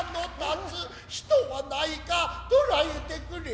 人はないかとらえてくれ。